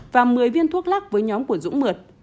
và một mươi viên thuốc lắc với nhóm của dũng mượt